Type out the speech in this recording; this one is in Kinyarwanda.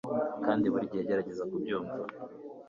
kandi buri gihe gerageza kubyumva